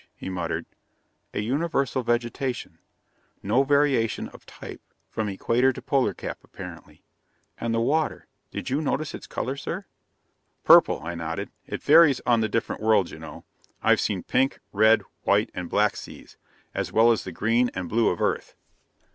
he muttered. "A universal vegetation ... no variation of type from equator to polar cap, apparently. And the water did you notice its color, sir?" "Purple," I nodded. "It varies on the different worlds, you know. I've seen pink, red, white and black seas, as well as the green and blue of Earth."